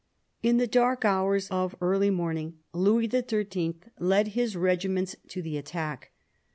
In the dark hours of early morning, Louis XIII. led his regiments to the attack.